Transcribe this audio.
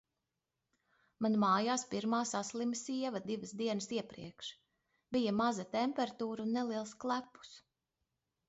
Man mājās pirmā saslima sieva divas dienas iepriekš. Bija maza temperatūra un neliels klepus.